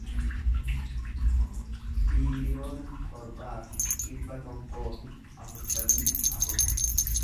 biiliyoona torbaa fi dhibba tokkoo fi afurtamii afur